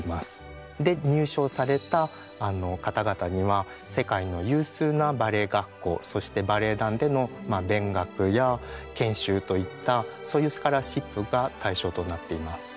で入賞された方々には世界の有数なバレエ学校そしてバレエ団でのまあ勉学や研修といったそういうスカラシップが対象となっています。